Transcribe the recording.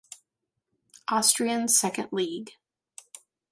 Austrian Second League